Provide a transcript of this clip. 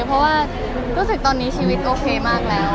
เพราะว่ารู้สึกตอนนี้ชีวิตโอเคมากแล้ว